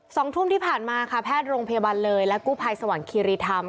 สองทุ่มที่ผ่านมาค่ะแพทย์โรงพยาบาลเลยและกู้ภัยสว่างคีรีธรรม